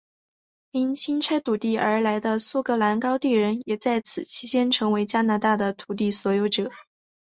因清拆土地而来的苏格兰高地人也在此期间成为加拿大的土地所有者。